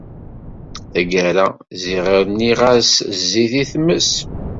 Taggara ziɣ rniɣ-as zzit i tmess.